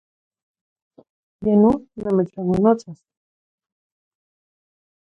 Yeh non nomechononotzas.